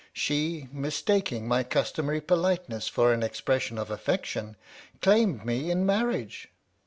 She, mistaking my custom ary politeness for an expression of affection, claimed me in marriage.